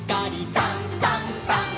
「さんさんさん」